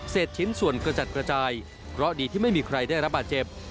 ชิ้นส่วนกระจัดกระจายเพราะดีที่ไม่มีใครได้รับบาดเจ็บ